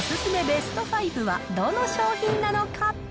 ベスト５はどの商品なのか。